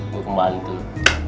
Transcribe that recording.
gua kembali dulu